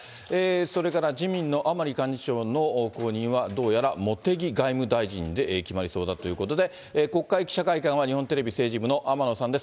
それから自民の甘利幹事長の後任は、どうやら茂木外務大臣で決まりそうだということで、国会記者会館は日本テレビ政治部の天野さんです。